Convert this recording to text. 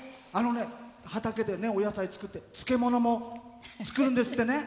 畑でお野菜作って漬物も作るんですってね。